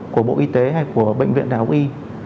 của bộ y tế hay của bệnh viện đại học y